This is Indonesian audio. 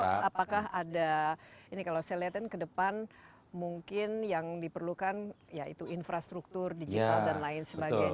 apakah ada ini kalau saya lihat kan ke depan mungkin yang diperlukan yaitu infrastruktur digital dan lain sebagainya